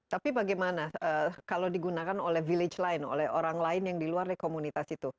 tapi bagaimana kalau digunakan oleh village lain oleh orang lain yang di luar dari komunitas itu